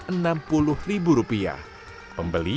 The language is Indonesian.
pembeli bisa membeli berat